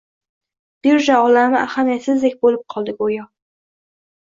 Birja olami ahamiyatsizdek bo`lib qoldi, go`yo